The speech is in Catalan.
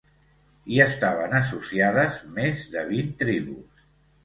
Hi estaven associades més de vint tribus.